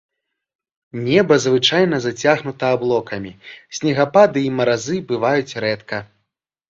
Неба звычайна зацягнута аблокамі, снегапады і маразы бываюць рэдка.